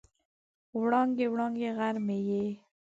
وړانګې، وړانګې غر مې یې